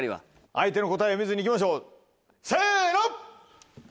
相手の答えを見ずにいきましょうせの！